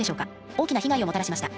大きな被害をもたらしました。